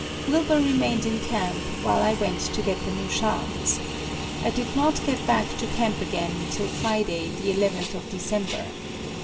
Wilbur remained in camp while I went to get the new shafts. I did not get back to camp again till Friday, the 11th of December.